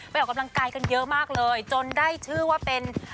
ออกกำลังกายกันเยอะมากเลยจนได้ชื่อว่าเป็น